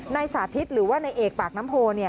นายสาธิตหรือว่านายเอกปากน้ำโพ